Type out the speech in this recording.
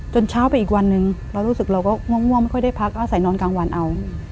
เช้าไปอีกวันหนึ่งเรารู้สึกเราก็ง่วงไม่ค่อยได้พักอาศัยนอนกลางวันเอา